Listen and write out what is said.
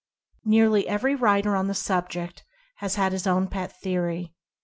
Nearly every writer on the sub ject has had his own pet theory.